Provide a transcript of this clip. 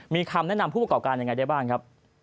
มีคำแนะนำผู้ประกอบการยังไงได้บ้างครับ